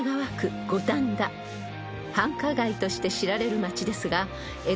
［繁華街として知られる街ですが江戸時代は］